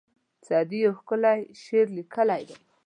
سعدي یو ښکلی شعر لیکلی دی.